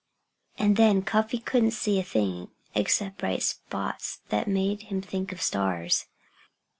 And then Cuffy couldn't see a thing, except bright spots that made him think of stars.